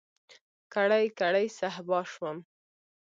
کړۍ، کړۍ صهبا شوم